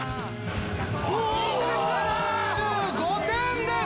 ２７５点です。